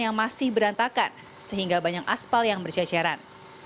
dan ada jalan yang masih berantakan sehingga banyak aspal yang berceceran